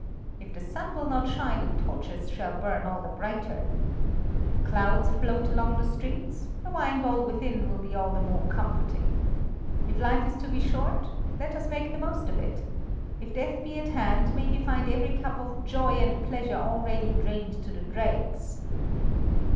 If the sun will not shine, the torches shall burn all the brighter. If clouds float along the streets, the wine bowl within will be all the more comforting. If life is to be short, let us make the most of it; if death be at hand, may he find every cup of joy and pleasure already drained to the dregs."